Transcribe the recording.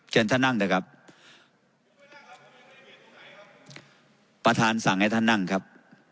เชิญท่านนั่งเถอะครับประธานสั่งให้ท่านนั่งครับ